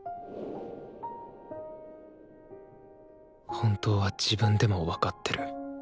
本当は自分でも分かってる。